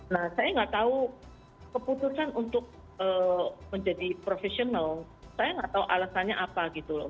nah saya nggak tahu keputusan untuk menjadi profesional saya nggak tahu alasannya apa gitu loh